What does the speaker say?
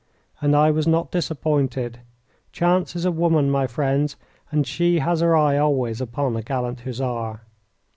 And I was not disappointed. Chance is a woman, my friends, and she has her eye always upon a gallant Hussar.